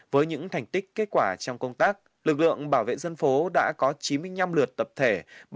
với những thành tích kết quả trong công tác lực lượng bảo vệ dân phố đã có chín mươi năm lượt tập thể